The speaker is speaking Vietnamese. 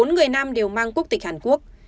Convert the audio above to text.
bốn người nam đều mang quốc tịch hàn quốc